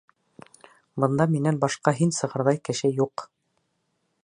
Бында минән башҡа һин сығырҙай кеше юҡ!